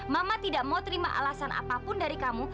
mama tidak mau terima alasan apapun dari kamu